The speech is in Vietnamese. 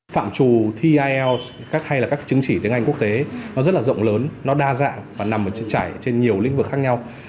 phạm trù thi hay là các chứng chỉ tiếng anh quốc tế nó rất là rộng lớn nó đa dạng và nằm ở chữ trải trên nhiều lĩnh vực khác nhau